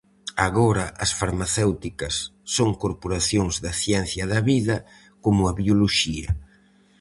Agora as farmacéuticas son corporacións da "ciencia da vida", como a bioloxía.